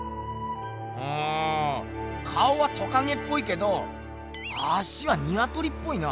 うん顔はトカゲっぽいけど足はニワトリっぽいな。